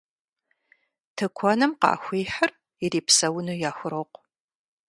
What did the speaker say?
Тыкуэным къахуихьыр ирипсэуну яхурокъу.